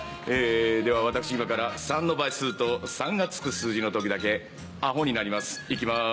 では私今から３の倍数と３がつく数字の時だけアホになります行きます。